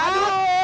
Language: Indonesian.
aduh siom mamae